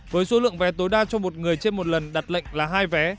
với số lượng vé tối đa cho một người trên một lần đặt lệnh là hai vé